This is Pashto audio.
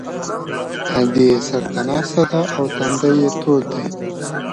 ادې یې سر ته ناسته ده او تندی یې تود دی